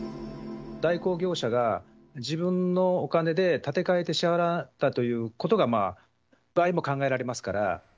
代行業者が、自分のお金で立て替えて支払ったということが、場合も考えられま